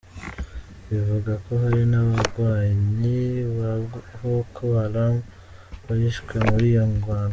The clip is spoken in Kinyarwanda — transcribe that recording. Rivuga ko hari n'abagwanyi ba Boko Haram bishwe muri iyo ngwano.